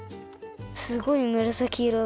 すごいむらさき色だ。